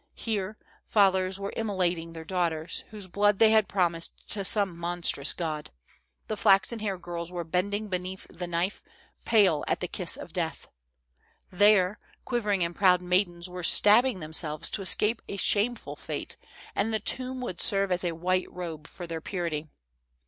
"Here, fathers were immolating their daughters, whose blood they had promised to some monstrous god. The flaxen haired girls were bending beneath the knife, pale at the kiss of death. " There, quivering and proud maidens were stabbing themselves to escape a shameful fate, and the tomb would serve as a white robe for their purity.